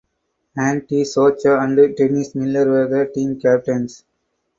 Andy Socha and Dennis Miller were the team captains.